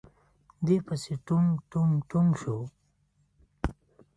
دې پسې ټونګ ټونګ ټونګ شو.